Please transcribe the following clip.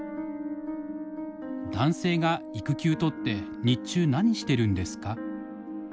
「男性が育休とって日中何してるんですか？」。